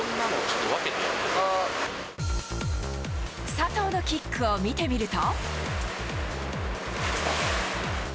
佐藤のキックを見てみると。